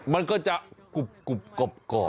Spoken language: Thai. มันก็จะกรุบกรอบ